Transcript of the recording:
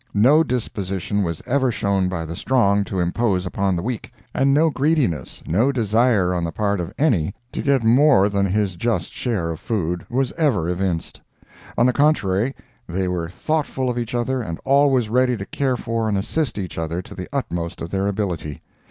No disposition was ever shown by the strong to impose upon the weak, and no greediness, no desire on the part of any to get more than his just share of food, was ever evinced. On the contrary, they were thoughtful of each other and always ready to care for and assist each other to the utmost of their ability.